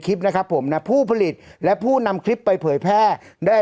คลิปนะครับผมนะผู้ผลิตและผู้นำคลิปไปเผยแพร่ได้